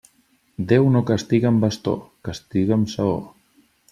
Déu no castiga amb bastó, castiga amb saó.